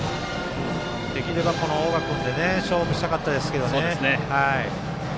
できれば、大賀君で勝負したかったですけどね。